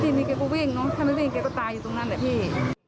ทีนี้แกก็วิ่งเนอะถ้าไม่วิ่งแกก็ตายอยู่ตรงนั้นแหละพี่